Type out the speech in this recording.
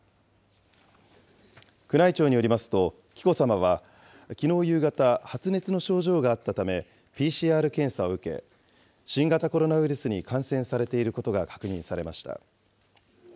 宮内庁によりますと、紀子さまはきのう夕方、発熱の症状があったため、ＰＣＲ検査を受け、新型コロナウイルスに感染されていることが確認されました。